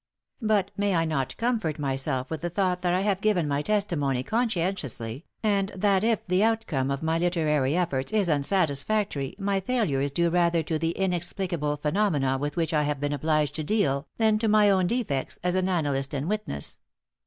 But may I not comfort myself with the thought that I have given my testimony conscientiously, and that if the outcome of my literary efforts is unsatisfactory my failure is due rather to the inexplicable phenomena with which I have been obliged to deal than to my own defects as an annalist and witness?